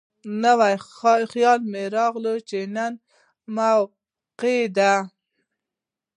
نو خيال مې راغے چې نن موقع ده ـ